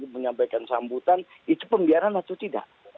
menyampaikan sambutan itu pembiaran atau tidak